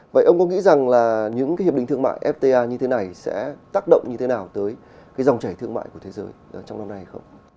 vậy ông có nghĩ rằng là những cái hiệp định thương mại fta như thế này sẽ tác động như thế nào tới cái dòng chảy thương mại của thế giới trong năm nay không